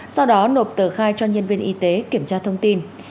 sau đó nộp tờ khai cho nhân viên y tế kiểm tra thông tin